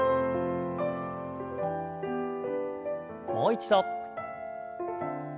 もう一度。